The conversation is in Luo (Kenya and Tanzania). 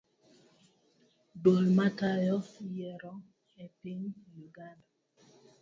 Duol matayo yiero epiny uganda